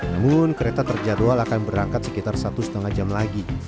namun kereta terjadwal akan berangkat sekitar satu setengah jam lagi